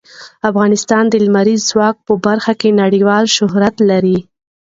افغانستان د لمریز ځواک په برخه کې نړیوال شهرت لري.